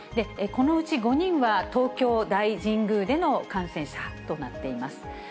このうち５人は、東京大神宮での感染者となっています。